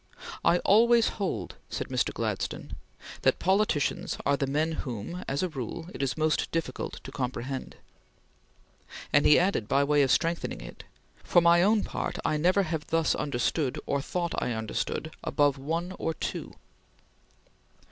"I always hold," said Mr. Gladstone, "that politicians are the men whom, as a rule, it is most difficult to comprehend"; and he added, by way of strengthening it: "For my own part, I never have thus understood, or thought I understood, above one or two."